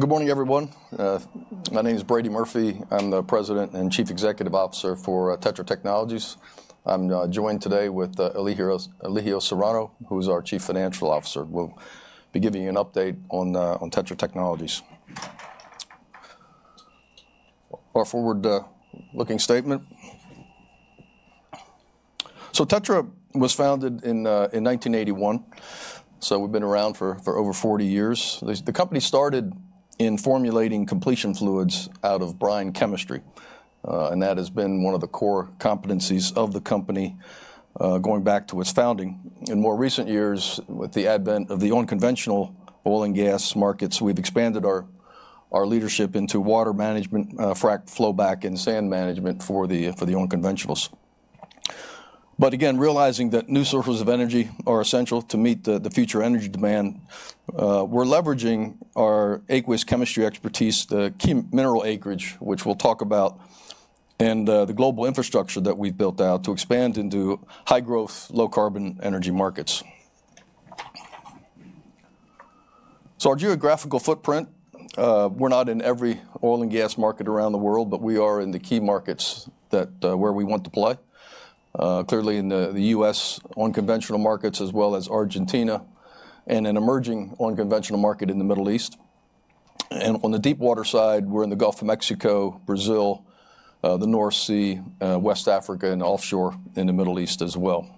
Good morning, everyone. My name is Brady Murphy. I'm the President and Chief Executive Officer for TETRA Technologies. I'm joined today with Elijio Serrano, who's our Chief Financial Officer. We'll be giving you an update on TETRA Technologies. Our forward-looking statement. So TETRA was founded in 1981, so we've been around for over 40 years. The company started in formulating completion fluids out of brine chemistry, and that has been one of the core competencies of the company going back to its founding. In more recent years, with the advent of the unconventional oil and gas markets, we've expanded our leadership into water management, frac flowback, and sand management for the unconventionals. But again, realizing that new sources of energy are essential to meet the future energy demand, we're leveraging our aqueous chemistry expertise, the key mineral acreage, which we'll talk about, and the global infrastructure that we've built out to expand into high-growth, low-carbon energy markets. So our geographical footprint, we're not in every oil and gas market around the world, but we are in the key markets where we want to play. Clearly, in the U.S., unconventional markets, as well as Argentina, and an emerging unconventional market in the Middle East. And on the deepwater side, we're in the Gulf of Mexico, Brazil, the North Sea, West Africa, and offshore in the Middle East as well.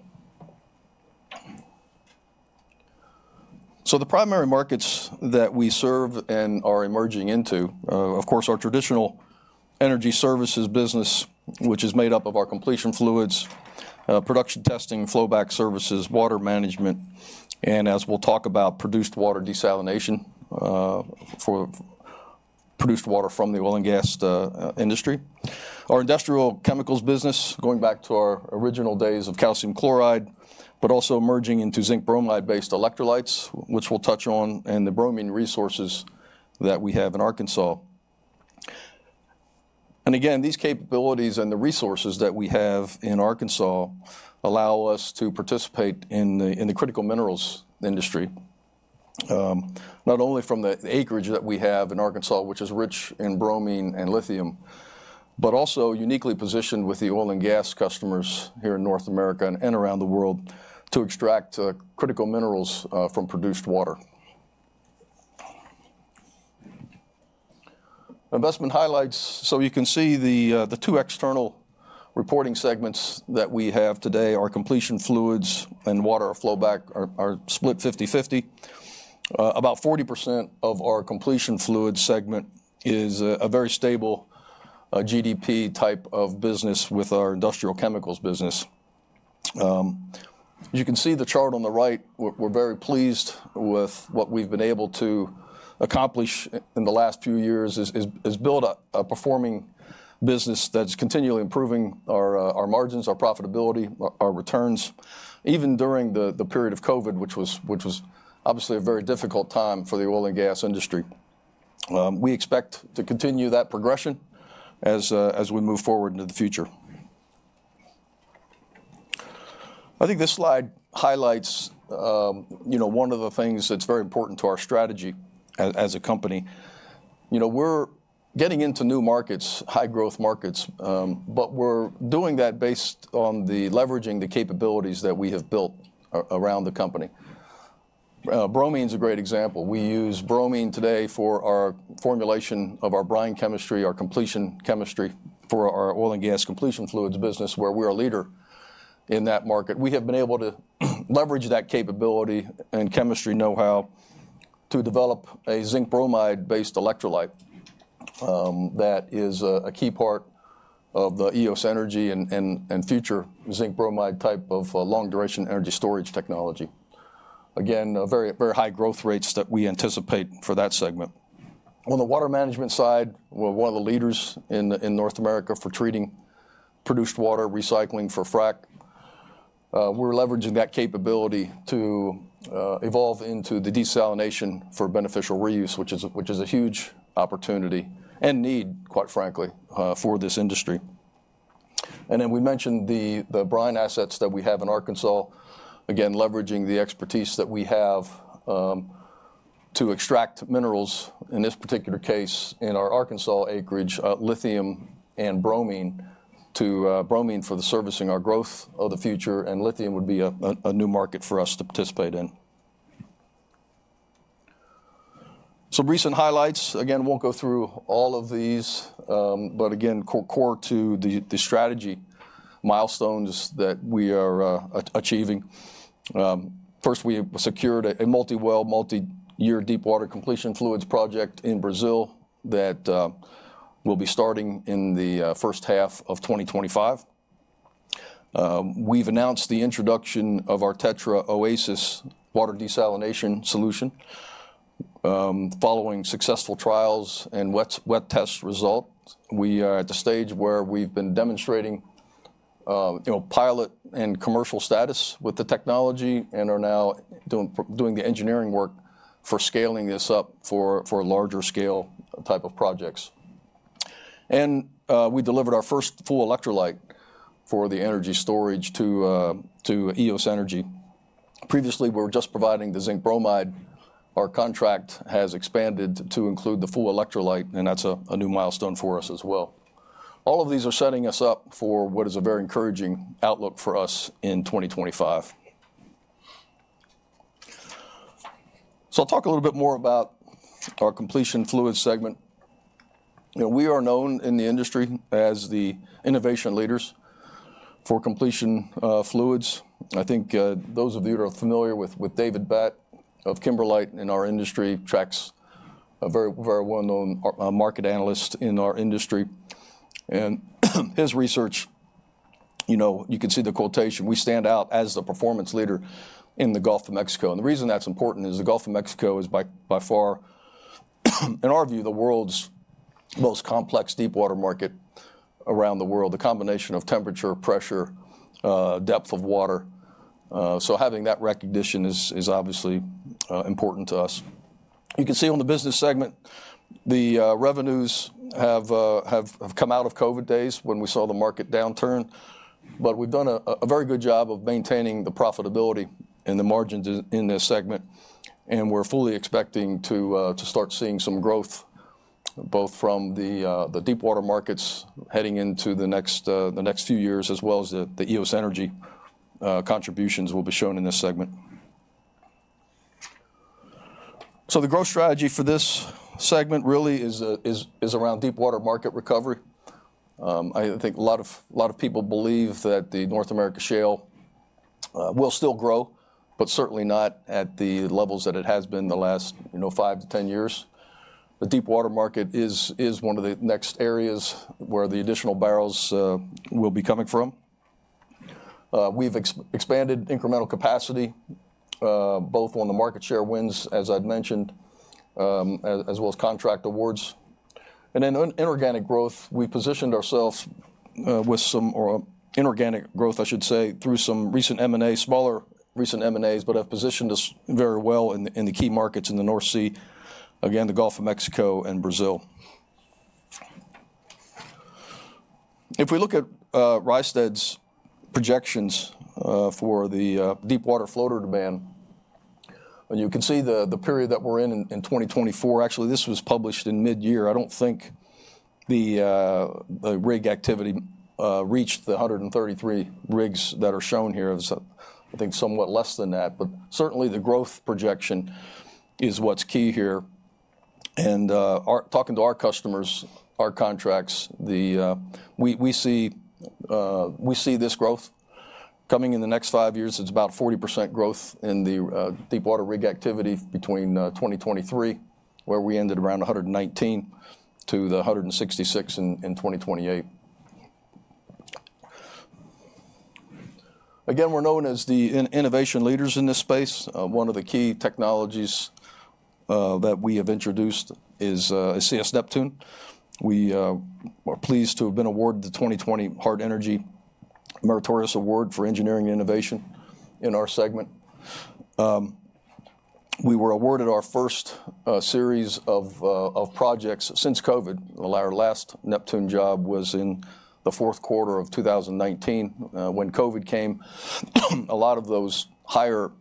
The primary markets that we serve and are emerging into, of course, our traditional energy services business, which is made up of our completion fluids, production testing, flowback services, water management, and as we'll talk about, produced water desalination for produced water from the oil and gas industry. Our industrial chemicals business, going back to our original days of calcium chloride, but also merging into zinc bromide-based electrolytes, which we'll touch on, and the bromine resources that we have in Arkansas. Again, these capabilities and the resources that we have in Arkansas allow us to participate in the critical minerals industry, not only from the acreage that we have in Arkansas, which is rich in bromine and lithium, but also uniquely positioned with the oil and gas customers here in North America and around the world to extract critical minerals from produced water. Investment highlights, so you can see the two external reporting segments that we have today, our completion fluids and water flowback are split 50/50. About 40% of our completion fluids segment is a very stable GDP type of business with our industrial chemicals business. You can see the chart on the right. We're very pleased with what we've been able to accomplish in the last few years as building a performing business that's continually improving our margins, our profitability, our returns, even during the period of COVID, which was obviously a very difficult time for the oil and gas industry. We expect to continue that progression as we move forward into the future. I think this slide highlights one of the things that's very important to our strategy as a company. We're getting into new markets, high-growth markets, but we're doing that based on leveraging the capabilities that we have built around the company. Bromine is a great example. We use bromine today for our formulation of our brine chemistry, our completion chemistry for our oil and gas completion fluids business, where we're a leader in that market. We have been able to leverage that capability and chemistry know-how to develop a zinc bromide-based electrolyte that is a key part of the Eos Energy and future zinc bromide type of long-duration energy storage technology. Again, very high growth rates that we anticipate for that segment. On the water management side, we're one of the leaders in North America for treating produced water, recycling for frac. We're leveraging that capability to evolve into the desalination for beneficial reuse, which is a huge opportunity and need, quite frankly, for this industry. And then we mentioned the brine assets that we have in Arkansas, again, leveraging the expertise that we have to extract minerals, in this particular case in our Arkansas acreage, lithium and bromine for servicing our growth of the future, and lithium would be a new market for us to participate in. Some recent highlights. Again, we won't go through all of these, but again, core to the strategy milestones that we are achieving. First, we secured a multi-well multi-year deepwater completion fluids project in Brazil that will be starting in the first half of 2025. We've announced the introduction of our TETRA Oasis water desalination solution. Following successful trials and wet test results, we are at the stage where we've been demonstrating pilot and commercial status with the technology and are now doing the engineering work for scaling this up for larger scale type of projects. And we delivered our first full electrolyte for the energy storage to Eos Energy. Previously, we were just providing the zinc bromide. Our contract has expanded to include the full electrolyte, and that's a new milestone for us as well. All of these are setting us up for what is a very encouraging outlook for us in 2025. So I'll talk a little bit more about our completion fluids segment. We are known in the industry as the innovation leaders for completion fluids. I think those of you who are familiar with David Bat of Kimberlite in our industry, TRACKS, a very well-known market analyst in our industry. And his research, you can see the quotation, we stand out as the performance leader in the Gulf of Mexico. And the reason that's important is the Gulf of Mexico is by far, in our view, the world's most complex deepwater market around the world, a combination of temperature, pressure, depth of water. So having that recognition is obviously important to us. You can see on the business segment, the revenues have come out of COVID days when we saw the market downturn, but we've done a very good job of maintaining the profitability and the margins in this segment. And we're fully expecting to start seeing some growth, both from the deepwater markets heading into the next few years, as well as the Eos Energy contributions will be shown in this segment. So the growth strategy for this segment really is around deepwater market recovery. I think a lot of people believe that the North America shale will still grow, but certainly not at the levels that it has been the last five to 10 years. The deepwater market is one of the next areas where the additional barrels will be coming from. We've expanded incremental capacity, both on the market share wins, as I'd mentioned, as well as contract awards, and in inorganic growth, we've positioned ourselves with some inorganic growth, I should say, through some recent M&A, smaller recent M&As, but have positioned us very well in the key markets in the North Sea, again, the Gulf of Mexico and Brazil. If we look at Rystad's projections for the deepwater floater demand, you can see the period that we're in in 2024. Actually, this was published in mid-year. I don't think the rig activity reached the 133 rigs that are shown here. I think somewhat less than that. But certainly, the growth projection is what's key here. And talking to our customers, our contracts, we see this growth coming in the next five years. It's about 40% growth in the deepwater rig activity between 2023, where we ended around 119, to the 166 in 2028. Again, we're known as the innovation leaders in this space. One of the key technologies that we have introduced is CS Neptune. We are pleased to have been awarded the 2020 Hart Energy Meritorious Award for Engineering and Innovation in our segment. We were awarded our first series of projects since COVID. Our last Neptune job was in the fourth quarter of 2019 when COVID came. A lot of those higher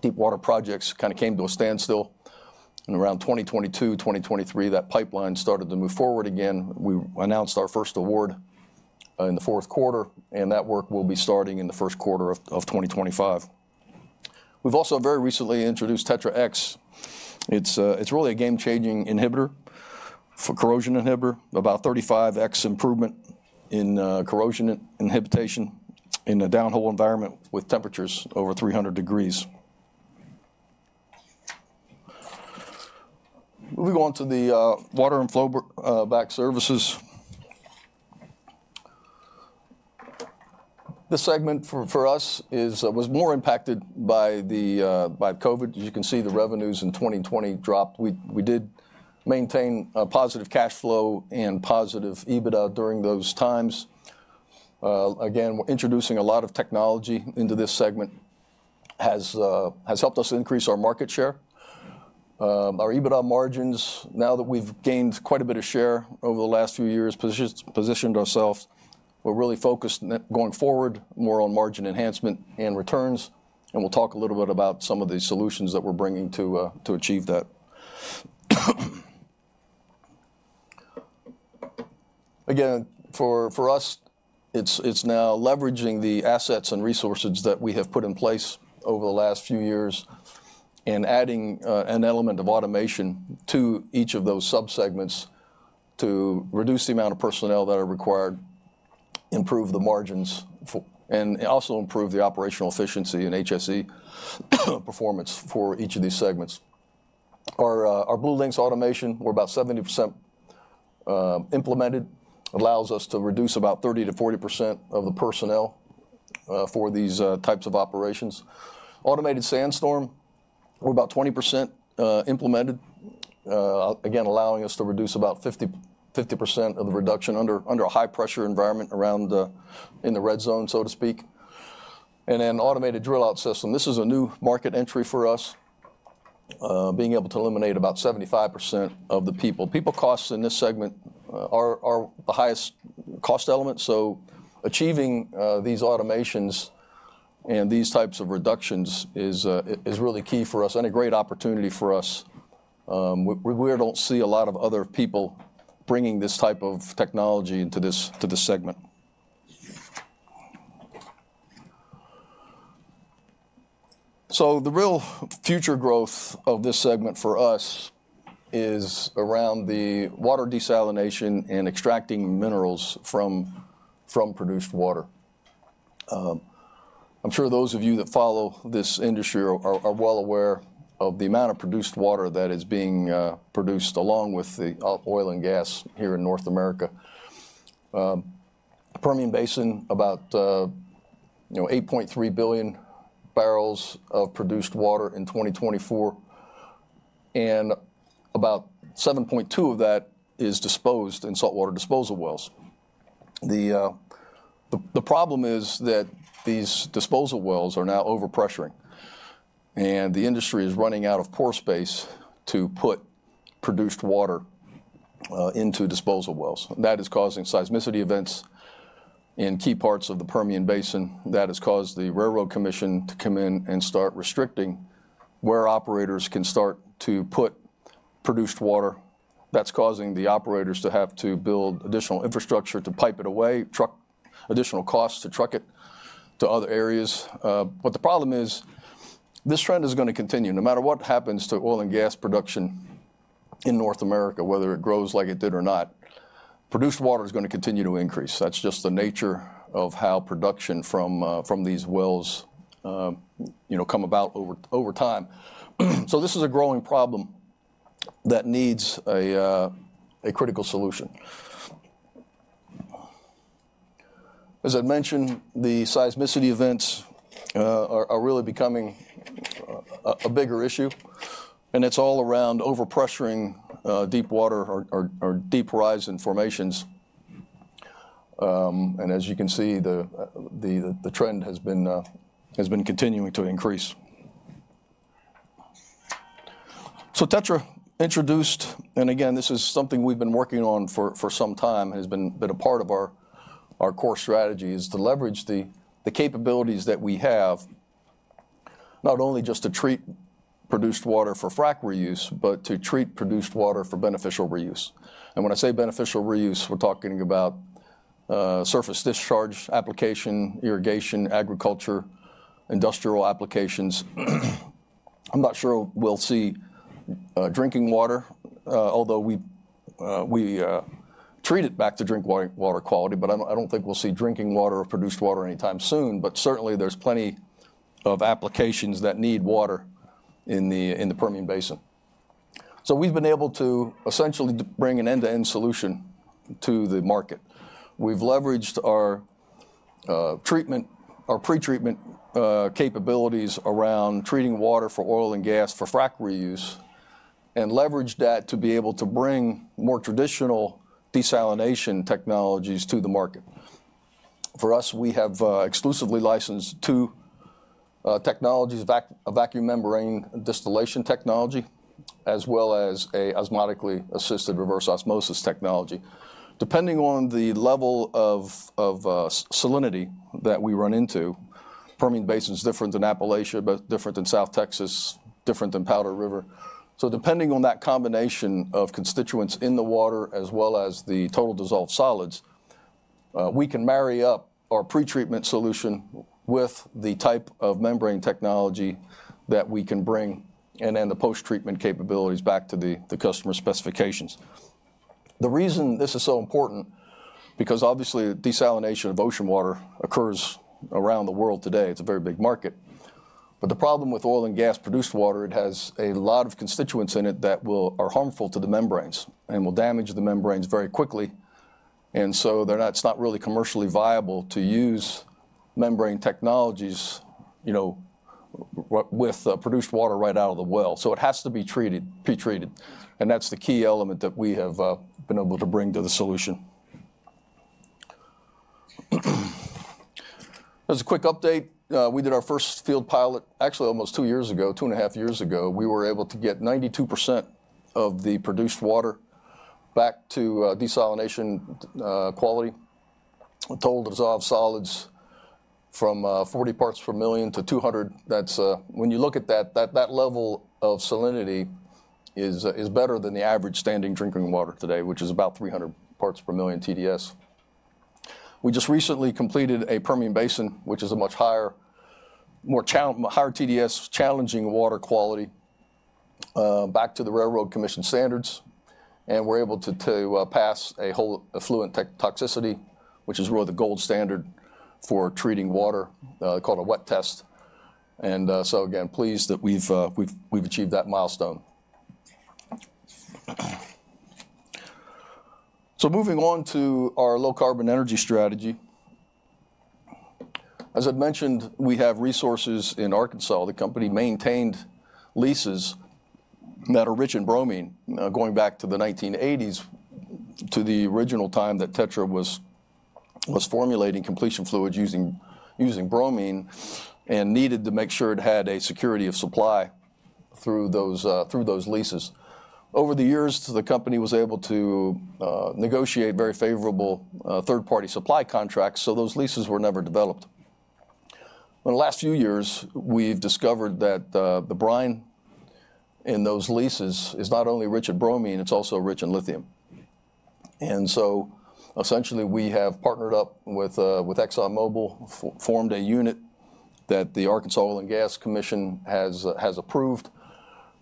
deepwater projects kind of came to a standstill. And around 2022, 2023, that pipeline started to move forward again. We announced our first award in the fourth quarter, and that work will be starting in the first quarter of 2025. We've also very recently introduced TETRA X. It's really a game-changing inhibitor for corrosion inhibitor, about 35x improvement in corrosion inhibition in a downhole environment with temperatures over 300 degrees. Moving on to the water and flowback services. This segment for us was more impacted by COVID. As you can see, the revenues in 2020 dropped. We did maintain a positive cash flow and positive EBITDA during those times. Again, introducing a lot of technology into this segment has helped us increase our market share. Our EBITDA margins, now that we've gained quite a bit of share over the last few years, positioned ourselves. We're really focused going forward more on margin enhancement and returns. We'll talk a little bit about some of the solutions that we're bringing to achieve that. Again, for us, it's now leveraging the assets and resources that we have put in place over the last few years and adding an element of automation to each of those subsegments to reduce the amount of personnel that are required, improve the margins, and also improve the operational efficiency and HSE performance for each of these segments. Our BlueLinx automation, we're about 70% implemented, allows us to reduce about 30%-40% of the personnel for these types of operations. Automated SandStorm, we're about 20% implemented, again, allowing us to reduce about 50% of the reduction under a high-pressure environment around in the red zone, so to speak. And then automated drill-out system. This is a new market entry for us, being able to eliminate about 75% of the people. People costs in this segment are the highest cost element. So achieving these automations and these types of reductions is really key for us and a great opportunity for us. We don't see a lot of other people bringing this type of technology into this segment. So the real future growth of this segment for us is around the water desalination and extracting minerals from produced water. I'm sure those of you that follow this industry are well aware of the amount of produced water that is being produced along with the oil and gas here in North America. Permian Basin, about 8.3 billion barrels of produced water in 2024, and about 7.2 of that is disposed in saltwater disposal wells. The problem is that these disposal wells are now overpressuring, and the industry is running out of pore space to put produced water into disposal wells. That is causing seismicity events in key parts of the Permian Basin. That has caused the Railroad Commission to come in and start restricting where operators can start to put produced water. That's causing the operators to have to build additional infrastructure to pipe it away, additional costs to truck it to other areas. But the problem is this trend is going to continue. No matter what happens to oil and gas production in North America, whether it grows like it did or not, produced water is going to continue to increase. That's just the nature of how production from these wells comes about over time. So this is a growing problem that needs a critical solution. As I mentioned, the seismicity events are really becoming a bigger issue, and it's all around overpressuring deep water or deep horizon formations. As you can see, the trend has been continuing to increase. TETRA introduced, and again, this is something we've been working on for some time and has been a part of our core strategy, is to leverage the capabilities that we have, not only just to treat produced water for frac reuse, but to treat produced water for beneficial reuse. When I say beneficial reuse, we're talking about surface discharge application, irrigation, agriculture, industrial applications. I'm not sure we'll see drinking water, although we treat it back to drink water quality, but I don't think we'll see drinking water or produced water anytime soon. Certainly, there's plenty of applications that need water in the Permian Basin. We've been able to essentially bring an end-to-end solution to the market. We've leveraged our pre-treatment capabilities around treating water for oil and gas for frac reuse and leveraged that to be able to bring more traditional desalination technologies to the market. For us, we have exclusively licensed two technologies, a vacuum membrane distillation technology, as well as an osmotically assisted reverse osmosis technology. Depending on the level of salinity that we run into, Permian Basin is different than Appalachia, different than South Texas, different than Powder River. So depending on that combination of constituents in the water as well as the total dissolved solids, we can marry up our pre-treatment solution with the type of membrane technology that we can bring and then the post-treatment capabilities back to the customer specifications. The reason this is so important is because obviously desalination of ocean water occurs around the world today. It's a very big market. The problem with oil and gas produced water, it has a lot of constituents in it that are harmful to the membranes and will damage the membranes very quickly. It's not really commercially viable to use membrane technologies with produced water right out of the well. It has to be pre-treated. That's the key element that we have been able to bring to the solution. As a quick update, we did our first field pilot actually almost two years ago, two and a half years ago. We were able to get 92% of the produced water back to desalination quality, total dissolved solids from 40 parts per million to 200. That's when you look at that, that level of salinity is better than the average standing drinking water today, which is about 300 parts per million TDS. We just recently completed a Permian Basin, which is a much higher, more higher TDS, challenging water quality back to the Railroad Commission standards, and we're able to pass a Whole Effluent Toxicity, which is really the gold standard for treating water called a WET test. And so again, pleased that we've achieved that milestone. So moving on to our low carbon energy strategy. As I mentioned, we have resources in Arkansas. The company maintained leases that are rich in bromine going back to the 1980s, to the original time that TETRA was formulating completion fluids using bromine and needed to make sure it had a security of supply through those leases. Over the years, the company was able to negotiate very favorable third-party supply contracts, so those leases were never developed. In the last few years, we've discovered that the brine in those leases is not only rich in bromine, it's also rich in lithium. So essentially, we have partnered up with ExxonMobil, formed a unit that the Arkansas Oil and Gas Commission has approved.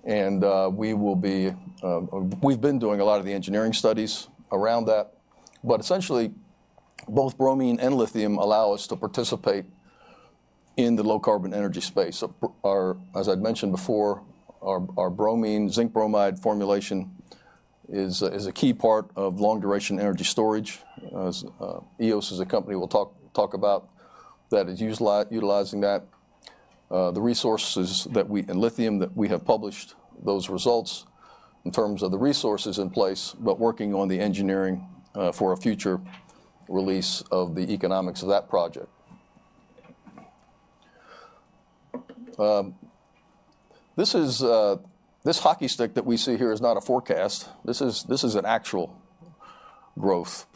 And we've been doing a lot of the engineering studies around that, but essentially, both bromine and lithium allow us to participate in the low carbon energy space. As I'd mentioned before, our bromine zinc bromide formulation is a key part of long-duration energy storage. EOS is a company we'll talk about that is utilizing that. The resources that we and lithium that we have published those results in terms of the resources in place, but working on the engineering for a future release of the economics of that project. This hockey stick that we see here is not a forecast. This is an actual growth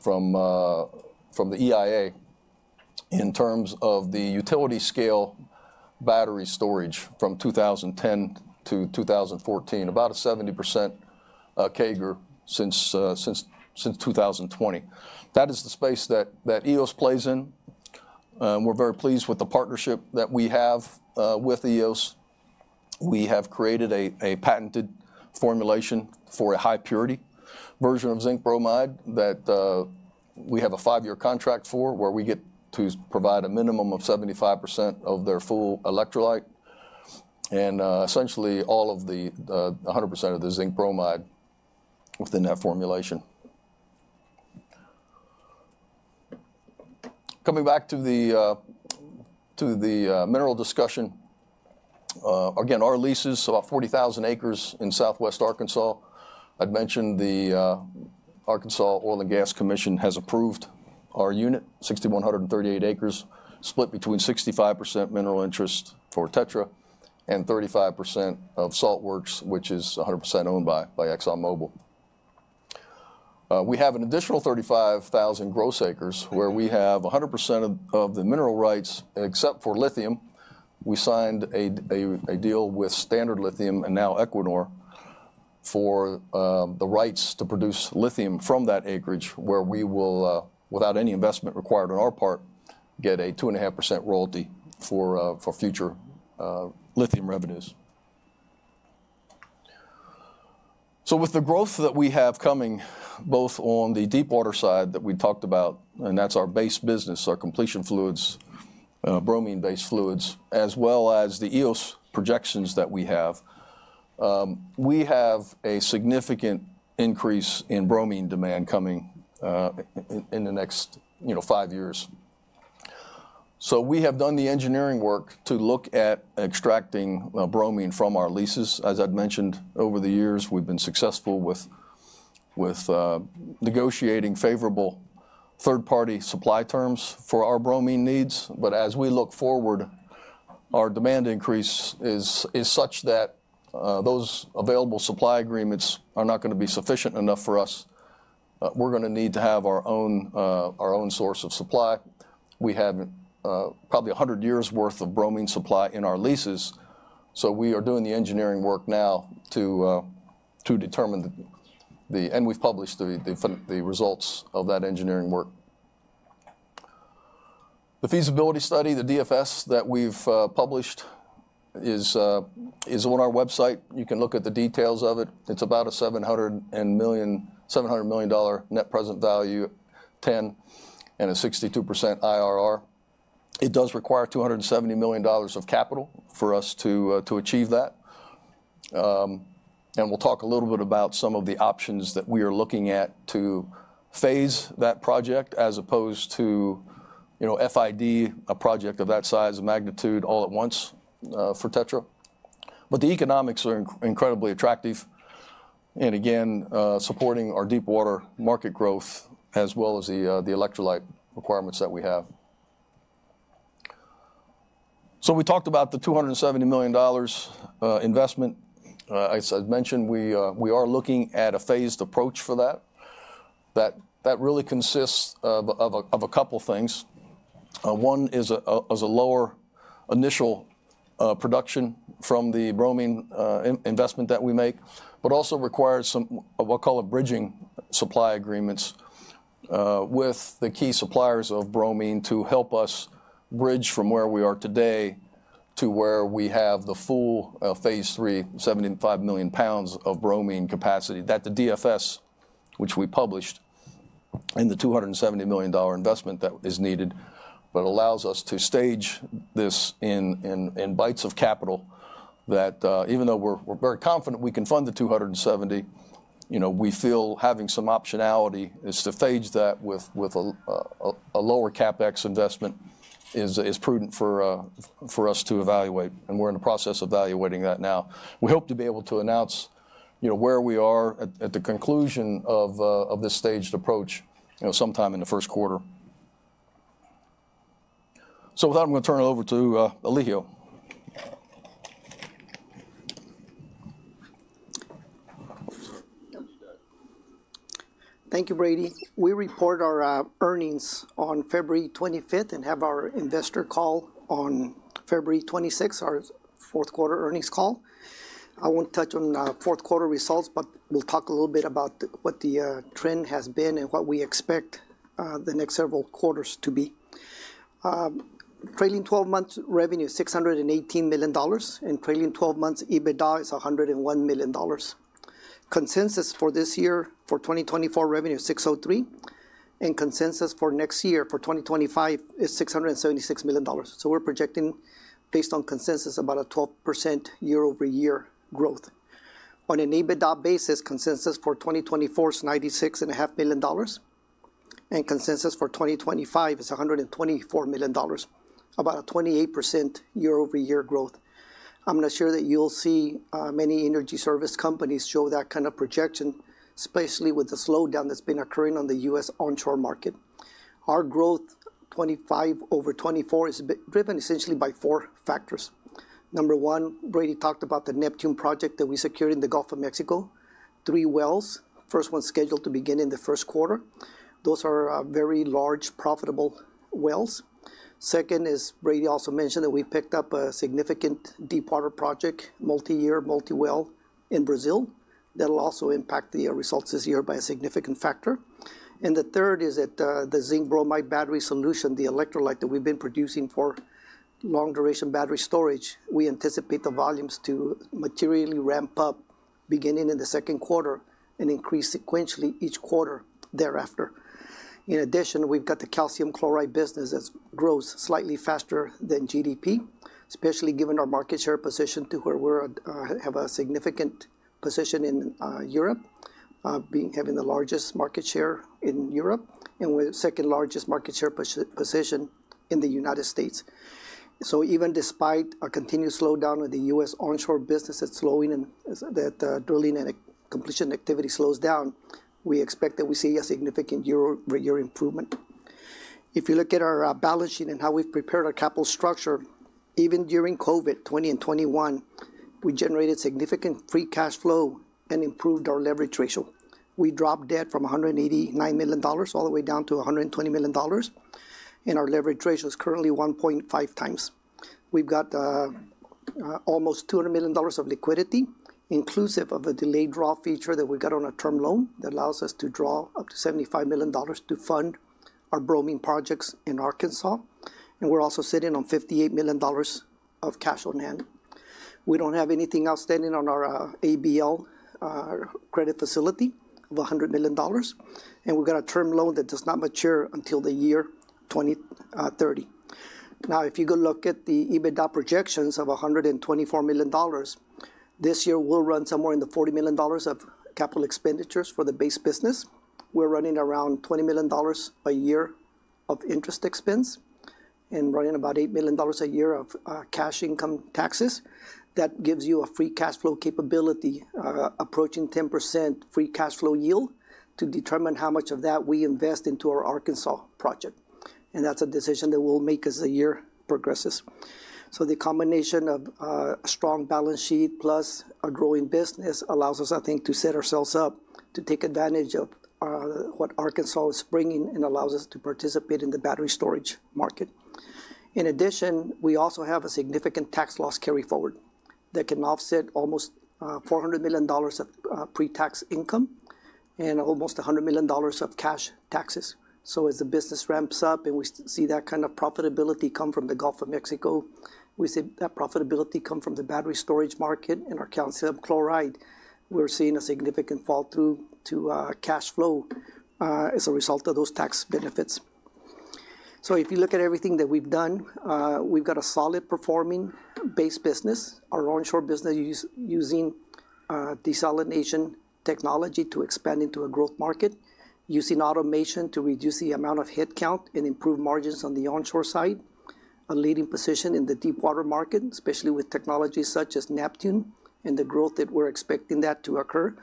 from the EIA in terms of the utility scale battery storage from 2010-2014, about a 70% CAGR since 2020. That is the space that Eos plays in. We're very pleased with the partnership that we have with Eos. We have created a patented formulation for a high purity version of zinc bromide that we have a five-year contract for where we get to provide a minimum of 75% of their full electrolyte and essentially all of the 100% of the zinc bromide within that formulation. Coming back to the mineral discussion, again, our lease is about 40,000 acres in southwest Arkansas. I'd mentioned the Arkansas Oil and Gas Commission has approved our unit, 6,138 acres, split between 65% mineral interest for TETRA and 35% of Saltwerx, which is 100% owned by ExxonMobil. We have an additional 35,000 gross acres where we have 100% of the mineral rights except for lithium. We signed a deal with Standard Lithium and now Equinor for the rights to produce lithium from that acreage where we will, without any investment required on our part, get a 2.5% royalty for future lithium revenues. So with the growth that we have coming both on the deep water side that we talked about, and that's our base business, our completion fluids, bromine-based fluids, as well as the Eos projections that we have, we have a significant increase in bromine demand coming in the next five years. So we have done the engineering work to look at extracting bromine from our leases. As I'd mentioned over the years, we've been successful with negotiating favorable third-party supply terms for our bromine needs. But as we look forward, our demand increase is such that those available supply agreements are not going to be sufficient enough for us. We're going to need to have our own source of supply. We have probably 100 years' worth of bromine supply in our leases. So we are doing the engineering work now, and we've published the results of that engineering work. The feasibility study, the DFS that we've published is on our website. You can look at the details of it. It's about a $700 million net present value, 10, and a 62% IRR. It does require $270 million of capital for us to achieve that. And we'll talk a little bit about some of the options that we are looking at to phase that project as opposed to FID, a project of that size and magnitude all at once for TETRA. But the economics are incredibly attractive and again, supporting our deepwater market growth as well as the electrolyte requirements that we have. So we talked about the $270 million investment. As I mentioned, we are looking at a phased approach for that. That really consists of a couple of things. One is a lower initial production from the bromine investment that we make, but also requires some what we'll call bridging supply agreements with the key suppliers of bromine to help us bridge from where we are today to where we have the full phase III, 75 million pounds of bromine capacity. That's the DFS, which we published in the $270 million investment that is needed, but allows us to stage this in bites of capital that even though we're very confident we can fund the 270, we feel having some optionality is to phase that with a lower CapEx investment is prudent for us to evaluate. And we're in the process of evaluating that now. We hope to be able to announce where we are at the conclusion of this staged approach sometime in the first quarter. So with that, I'm going to turn it over to Elijio. Thank you, Brady. We report our earnings on February 25th and have our investor call on February 26th, our Fourth Quarter Earnings Call. I won't touch on fourth quarter results, but we'll talk a little bit about what the trend has been and what we expect the next several quarters to be. Trailing 12 months revenue is $618 million, and trailing 12 months EBITDA is $101 million. Consensus for this year for 2024 revenue is $603 million, and consensus for next year for 2025 is $676 million. So we're projecting based on consensus about a 12% year-over-year growth. On an EBITDA basis, consensus for 2024 is $96.5 million, and consensus for 2025 is $124 million, about a 28% year-over-year growth. I'm not sure that you'll see many energy service companies show that kind of projection, especially with the slowdown that's been occurring on the U.S. onshore market. Our growth over 2024 is driven essentially by four factors. Number one, Brady talked about the Neptune project that we secured in the Gulf of Mexico. Three wells, first one scheduled to begin in the first quarter. Those are very large, profitable wells. Second, as Brady also mentioned, that we picked up a significant deep water project, multi-year, multi-well in Brazil that will also impact the results this year by a significant factor. The third is that the zinc bromide battery solution, the electrolyte that we've been producing for long-duration battery storage, we anticipate the volumes to materially ramp up beginning in the second quarter and increase sequentially each quarter thereafter. In addition, we've got the calcium chloride business that grows slightly faster than GDP, especially given our market share position to where we have a significant position in Europe, having the largest market share in Europe and second largest market share position in the United States. So even despite a continued slowdown of the U.S. onshore business that's slowing and that drilling and completion activity slows down, we expect that we see a significant year-over-year improvement. If you look at our balance sheet and how we've prepared our capital structure, even during COVID, 2020 and 2021, we generated significant free cash flow and improved our leverage ratio. We dropped debt from $189 million all the way down to $120 million, and our leverage ratio is currently 1.5x. We've got almost $200 million of liquidity, inclusive of a delayed draw feature that we've got on a term loan that allows us to draw up to $75 million to fund our bromine projects in Arkansas. We're also sitting on $58 million of cash on hand. We don't have anything outstanding on our ABL credit facility of $100 million, and we've got a term loan that does not mature until the year 2030. Now, if you go look at the EBITDA projections of $124 million, this year we'll run somewhere in the $40 million of capital expenditures for the base business. We're running around $20 million a year of interest expense and running about $8 million a year of cash income taxes. That gives you a free cash flow capability approaching 10% free cash flow yield to determine how much of that we invest into our Arkansas project. That's a decision that we'll make as the year progresses. So the combination of a strong balance sheet plus a growing business allows us, I think, to set ourselves up to take advantage of what Arkansas is bringing and allows us to participate in the battery storage market. In addition, we also have a significant tax loss carry forward that can offset almost $400 million of pre-tax income and almost $100 million of cash taxes. So as the business ramps up and we see that kind of profitability come from the Gulf of Mexico, we see that profitability come from the battery storage market and our calcium chloride, we're seeing a significant fall through to cash flow as a result of those tax benefits. So if you look at everything that we've done, we've got a solid performing base business, our onshore business using desalination technology to expand into a growth market, using automation to reduce the amount of headcount and improve margins on the onshore side, a leading position in the deep water market, especially with technology such as Neptune and the growth that we're expecting that to occur,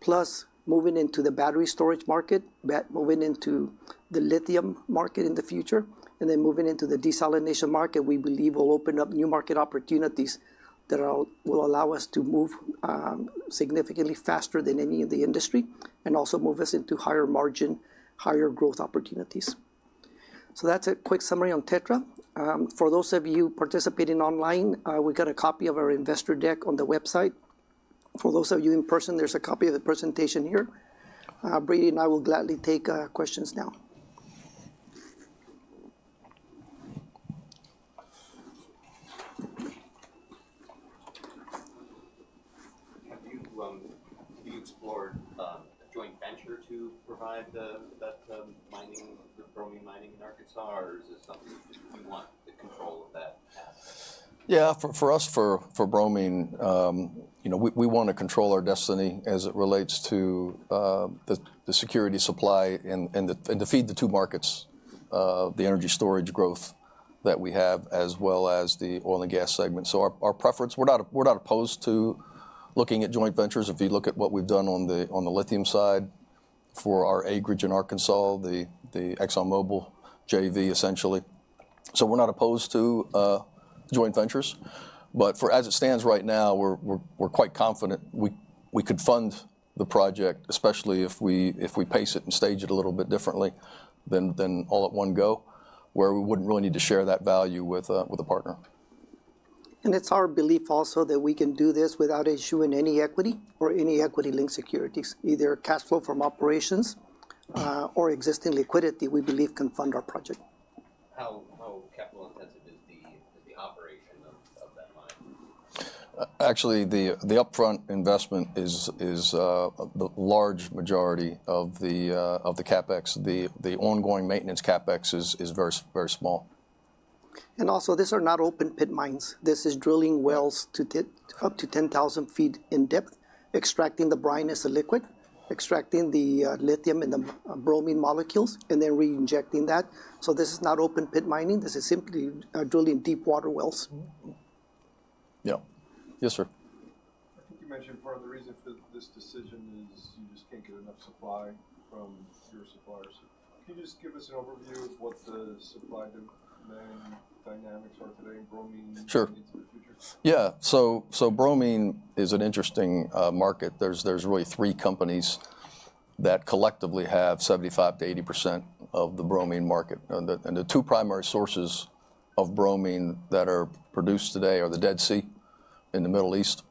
plus moving into the battery storage market, moving into the lithium market in the future, and then moving into the desalination market. We believe will open up new market opportunities that will allow us to move significantly faster than any of the industry and also move us into higher margin, higher growth opportunities. So that's a quick summary on TETRA. For those of you participating online, we've got a copy of our investor deck on the website. For those of you in person, there's a copy of the presentation here. Brady and I will gladly take questions now. Have you explored a joint venture to provide that mining, the bromine mining in Arkansas, or is it something you want the control of that aspect? Yeah, for us, for bromine, we want to control our destiny as it relates to the security supply and to feed the two markets, the energy storage growth that we have, as well as the oil and gas segment. So our preference, we're not opposed to looking at joint ventures. If you look at what we've done on the lithium side for our acreage in Arkansas, the ExxonMobil JV essentially. So we're not opposed to joint ventures. But as it stands right now, we're quite confident we could fund the project, especially if we pace it and stage it a little bit differently than all at one go, where we wouldn't really need to share that value with a partner. It's our belief also that we can do this without issuing any equity or any equity-linked securities. Either cash flow from operations or existing liquidity, we believe, can fund our project. How capital intensive is the operation of that mine? Actually, the upfront investment is the large majority of the CapEx. The ongoing maintenance CapEx is very small. And also, these are not open pit mines. This is drilling wells up to 10,000 feet in depth, extracting the brine as a liquid, extracting the lithium and the bromine molecules, and then reinjecting that. So this is not open pit mining. This is simply drilling deep water wells. Yeah. Yes, sir. I think you mentioned part of the reason for this decision is you just can't get enough supply from your suppliers. Can you just give us an overview of what the supply demand dynamics are today in bromine into the future? Yeah. So bromine is an interesting market. There's really three companies that collectively have 75%-80% of the bromine market. And the two primary sources of bromine that are produced today are the Dead Sea in the Middle East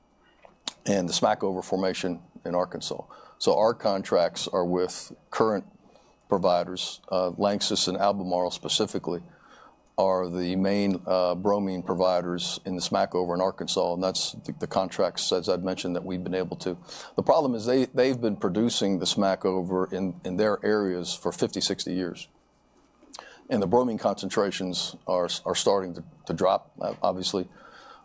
and the Smackover Formation in Arkansas. So our contracts are with current providers. Lanxess and Albemarle specifically are the main bromine providers in the Smackover in Arkansas. And that's the contracts, as I've mentioned, that we've been able to. The problem is they've been producing the Smackover in their areas for 50, 60 years. And the bromine concentrations are starting to drop, obviously,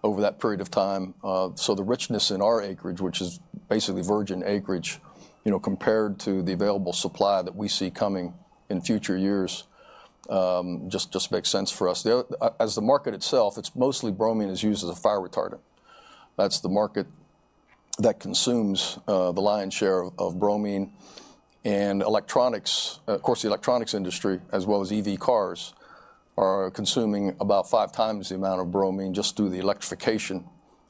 over that period of time. So the richness in our acreage, which is basically virgin acreage, compared to the available supply that we see coming in future years, just makes sense for us. As the market itself, it's mostly bromine is used as a fire retardant. That's the market that consumes the lion's share of bromine. And electronics, of course, the electronics industry, as well as EV cars, are consuming about five times the amount of bromine just through the electrification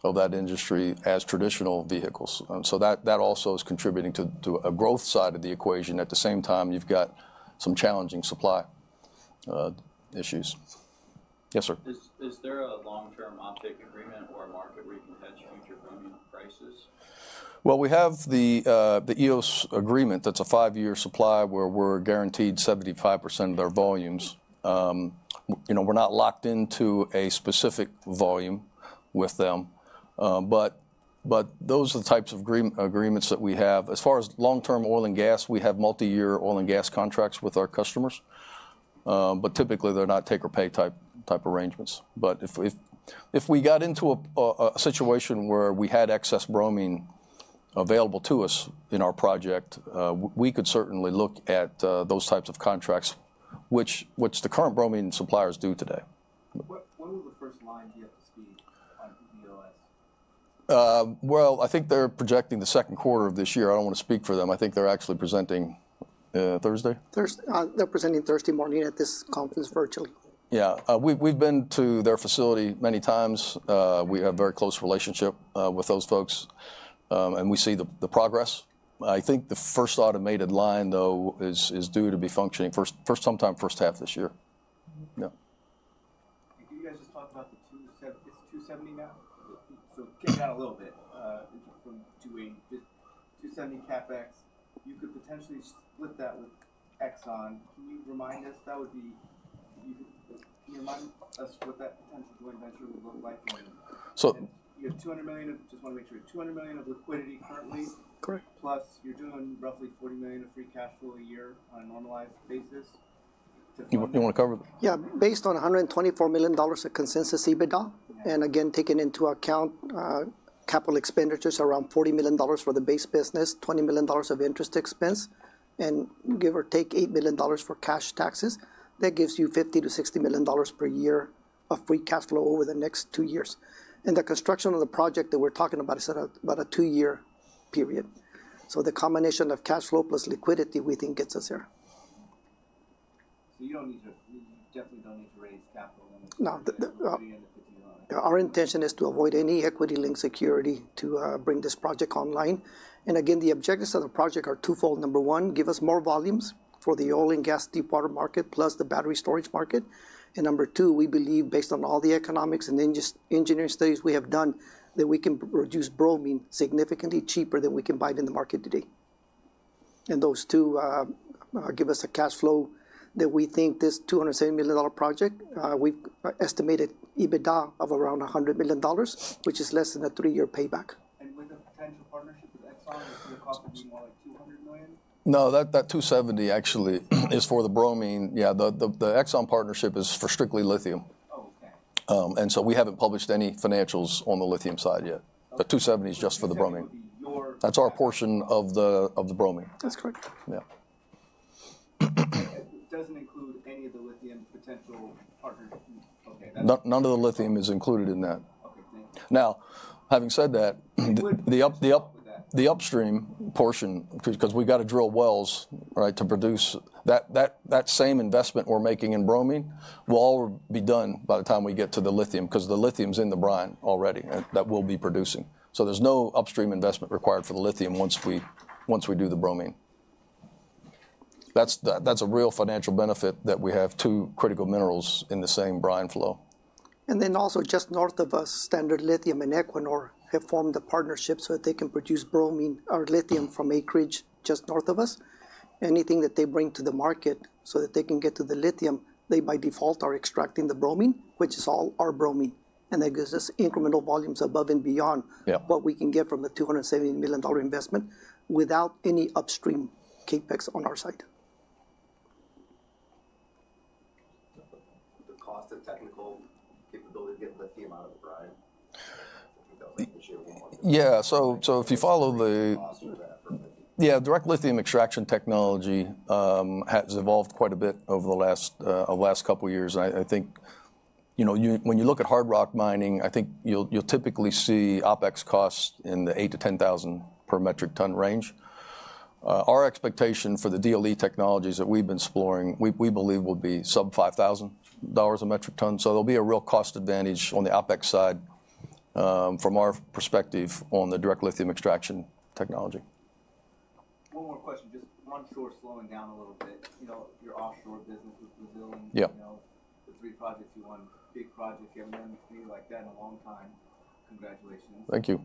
of that industry as traditional vehicles. So that also is contributing to a growth side of the equation. At the same time, you've got some challenging supply issues. Yes, sir. Is there a long-term offtake agreement or a market where you can hedge future bromine prices? We have the Eos agreement. That's a five-year supply where we're guaranteed 75% of their volumes. We're not locked into a specific volume with them. But those are the types of agreements that we have. As far as long-term oil and gas, we have multi-year oil and gas contracts with our customers. But typically, they're not take-or-pay type arrangements. But if we got into a situation where we had excess bromine available to us in our project, we could certainly look at those types of contracts, which the current bromine suppliers do today. When will the first lines yet to speak on Eos? I think they're projecting the second quarter of this year. I don't want to speak for them. I think they're actually presenting Thursday? They're presenting Thursday morning at this conference virtually. Yeah. We've been to their facility many times. We have a very close relationship with those folks, and we see the progress. I think the first automated line, though, is due to be functioning sometime first half this year. Yeah. You guys just talked about the 270 now. So kick it out a little bit from 280. Just 270 CapEx, you could potentially split that with ExxonMobil. Can you remind us what that potential joint venture would look like? So. You have $200 million of liquidity currently. Just want to make sure. Correct. Plus you're doing roughly $40 million of free cash flow a year on a normalized basis. You want to cover? Yeah. Based on $124 million of consensus EBITDA and again, taking into account capital expenditures, around $40 million for the base business, $20 million of interest expense, and give or take $8 million for cash taxes, that gives you $50-$60 million per year of free cash flow over the next two years. And the construction of the project that we're talking about is about a two-year period. So the combination of cash flow plus liquidity, we think, gets us there. You definitely don't need to raise capital limits. No. At the end of $50 million. Our intention is to avoid any equity-linked security to bring this project online, and again, the objectives of the project are twofold. Number one, give us more volumes for the oil and gas deep water market plus the battery storage market. Number two, we believe, based on all the economics and engineering studies we have done, that we can produce bromine significantly cheaper than we can buy it in the market today. And those two give us a cash flow that we think this $270 million project, we've estimated EBITDA of around $100 million, which is less than a three-year payback. With a potential partnership with Exxon, would the cost be more like $200 million? No, that 270 actually is for the bromine. Yeah, the Exxon partnership is for strictly lithium. Oh, okay. We haven't published any financials on the lithium side yet. The 270 is just for the bromine. That's our portion of the bromine. That's correct. Yeah. It doesn't include any of the lithium potential partners. Okay. None of the lithium is included in that. Okay. Thank you. Now, having said that, the upstream portion, because we've got to drill wells to produce that same investment we're making in bromine, will all be done by the time we get to the lithium, because the lithium is in the brine already that we'll be producing. So there's no upstream investment required for the lithium once we do the bromine. That's a real financial benefit that we have two critical minerals in the same brine flow. Also just north of us, Standard Lithium and Equinor have formed the partnership so that they can produce bromine or lithium from acreage just north of us. Anything that they bring to the market so that they can get to the lithium, they by default are extracting the bromine, which is all our bromine. That gives us incremental volumes above and beyond what we can get from the $270 million investment without any upstream CapEx on our side. The cost of technical capability to get lithium out of the brine that we don't need this year? Yeah. So if you follow the. Cost of that for lithium. Yeah. Direct lithium extraction technology has evolved quite a bit over the last couple of years. I think when you look at hard rock mining, I think you'll typically see OpEx costs in the $8,000-$10,000 per metric ton range. Our expectation for the DLE technologies that we've been exploring, we believe, will be sub $5,000 a metric ton. So there'll be a real cost advantage on the OpEx side from our perspective on the direct lithium extraction technology. One more question. Just one short slowing down a little bit. Your offshore business with Brazil and the three projects you won, big project. You haven't done anything like that in a long time. Congratulations. Thank you.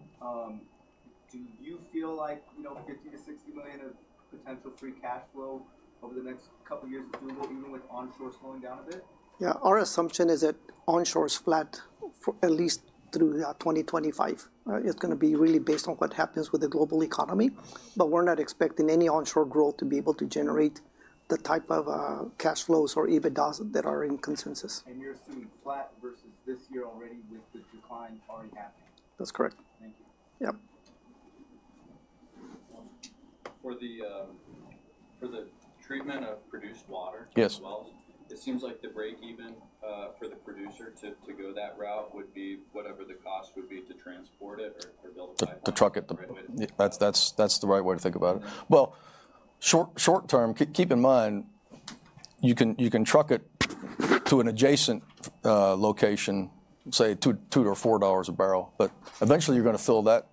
Do you feel like $50 million-$60 million of potential free cash flow over the next couple of years is doable, even with onshore slowing down a bit? Yeah. Our assumption is that onshore is flat at least through 2025. It's going to be really based on what happens with the global economy. But we're not expecting any onshore growth to be able to generate the type of cash flows or EBITDAs that are in consensus. You're assuming flat versus this year already with the decline already happening? That's correct. Thank you. Yep. For the treatment of produced water as well, it seems like the break-even for the producer to go that route would be whatever the cost would be to transport it or build a pipeline. To truck it. That's the right way to think about it. Short term, keep in mind, you can truck it to an adjacent location, say, $2-$4 a barrel. But eventually, you're going to fill that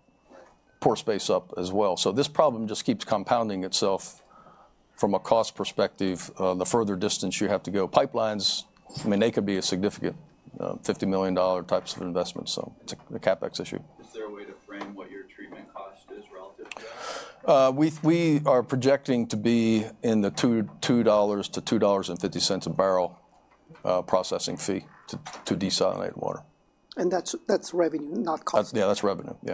pore space up as well. This problem just keeps compounding itself from a cost perspective, the further distance you have to go. Pipelines, I mean, they could be a significant $50 million types of investment. It's a CapEx issue. Is there a way to frame what your treatment cost is relative to that? We are projecting to be in the $2-$2.50 a barrel processing fee to desalinate water. That's revenue, not cost. Yeah, that's revenue.